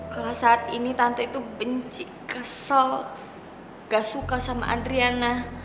kalau saat ini tante itu benci kesel gak suka sama adriana